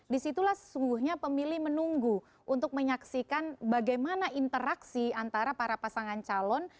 disitulah sesungguhnya pemilih menunggu untuk menyaksikan bagaimana interaksi antara para pasangan calon